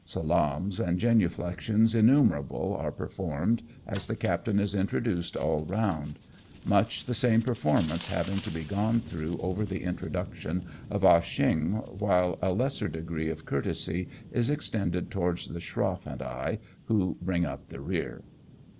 Salaams and genuflexions innumerable are per formed as the captain is introduced all round : much the same performance having to be gone through over the introduction of Ah Oheong, while a lesser degree of courtesy is extended towards the schroff and I, who bring up the rear.